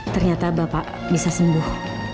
ternyata bapak bisa sembuh